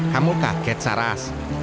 kamu kaget saras